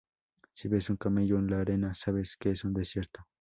Si ves un camello en la arena, sabes que es un desierto.